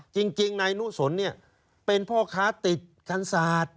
จริงในนู่สนเนี่ยเป็นพ่อค้าติดกันศาสตร์